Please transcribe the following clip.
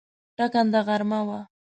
ټاکنده غرمه وه.